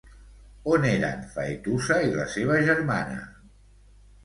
On eren Faetusa i la seva germana?